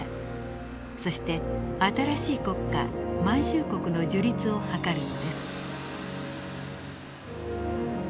そして新しい国家満州国の樹立を図るのです。